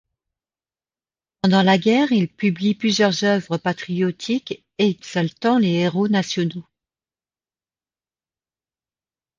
Pendant la guerre, il publie plusieurs œuvres patriotiques exaltant les héros nationaux.